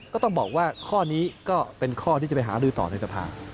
ก็ต้องบอกว่าข้อนี้ก็เป็นข้อที่จะไปหารือต่อในสภา